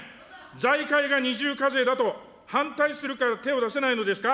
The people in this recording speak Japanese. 財界が二重課税だと反対するから手を出せないのですか。